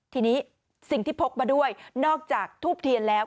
ทีนี้สิ่งที่พกมาด้วยนอกจากทูบเทียนแล้ว